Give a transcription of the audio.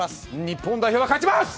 日本代表が勝ちます！